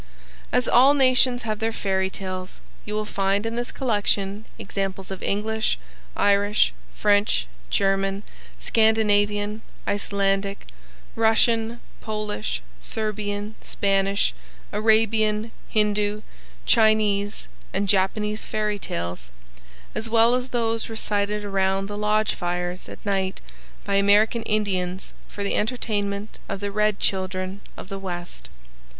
As all nations have their fairy tales, you will find in this collection examples of English, Irish, French, German, Scandinavian, Icelandic, Russian, Polish, Serbian, Spanish, Arabian, Hindu, Chinese, and Japanese fairy tales, as well as those recited around the lodge fires at night by American Indians for the entertainment of the red children of the West.